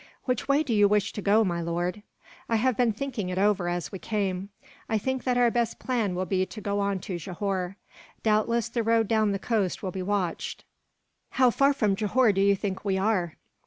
"Which way do you wish to go, my lord?" "I have been thinking it over, as we came. I think that our best plan will be to go on to Johore. Doubtless the road down the coast will be watched. How far from Johore do you think we are?"